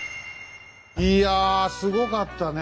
いやすごかったね。